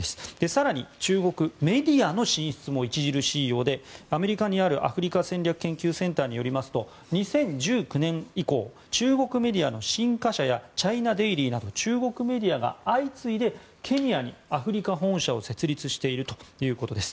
更に、中国メディアの進出も著しいようでアメリカにあるアフリカ戦略研究センターによりますと２０１９年以降中国メディアの新華社やチャイナ・デイリーなど中国メディアが相次いでケニアにアフリカ本社を設立しているということです。